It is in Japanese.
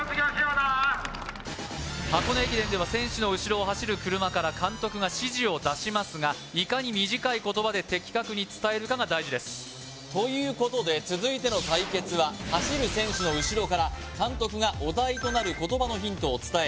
箱根駅伝では選手の後ろを走る車から監督が指示を出しますがいかに短い言葉で的確に伝えるかが大事ですということで続いての対決は走る選手の後ろから監督がお題となる言葉のヒントを伝え